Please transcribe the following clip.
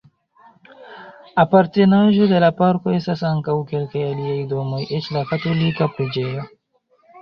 Apartenaĵo de la parko estas ankaŭ kelkaj aliaj domoj eĉ la katolika preĝejo.